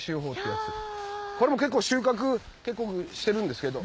これも結構収穫してるんですけど。